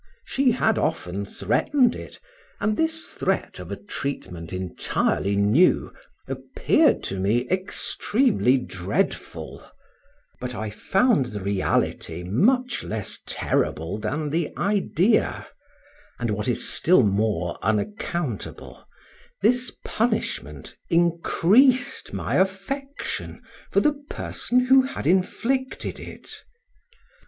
She had often threatened it, and this threat of a treatment entirely new, appeared to me extremely dreadful; but I found the reality much less terrible than the idea, and what is still more unaccountable, this punishment increased my affection for the person who had inflicted it.